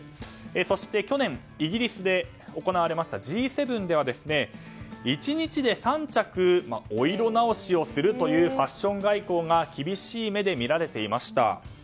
そして、去年イギリスで行われたＧ７では１日で３着お色直しをするというファッション外交が厳しい目で見られていました。